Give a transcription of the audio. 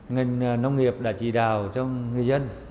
ngành nông nghiệp đã chỉ đào cho người dân